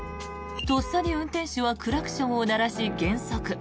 とっさに運転手はクラクションを鳴らし、減速。